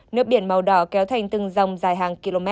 nước biển màu đỏ kéo thành từng dòng dài hàng km